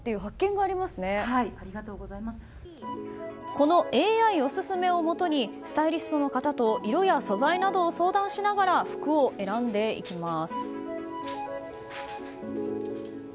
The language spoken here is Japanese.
このＡＩオススメをもとにスタイリストの方と色や素材などを相談しながら服を選んでいきます。